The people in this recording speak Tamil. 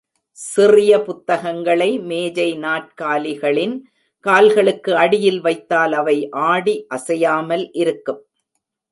சிறிய புத்தகங்களை மேஜை, நாற்காலிகளின் கால்களுக்கு அடியில் வைத்தால் அவை ஆடி அசையாமல் இருக்கும்.